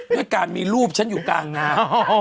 ด้วยการมีรูปฉันอยู่กลางนา